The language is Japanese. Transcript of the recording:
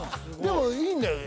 でもいいんだよね